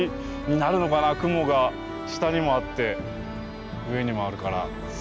雲が下にもあって上にもあるから。